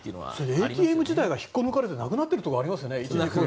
ＡＴＭ自体が引っこ抜かれてなくなっているのがありますよね。